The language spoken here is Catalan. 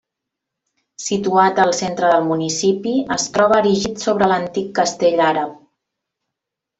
Situat al centre del municipi, es troba erigit sobre l'antic castell àrab.